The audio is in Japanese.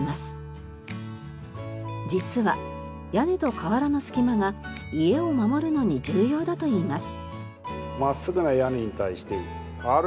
実は屋根と瓦の隙間が家を守るのに重要だといいます。